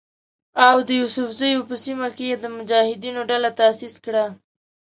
او د یوسفزیو په سیمه کې یې د مجاهدینو ډله تاسیس کړه.